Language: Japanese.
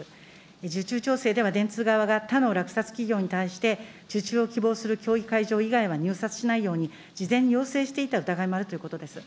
受注調整では電通側が他の落札企業に対して、受注を希望する競技会場以外は入札しないように、事前に要請していた疑いもあるということです。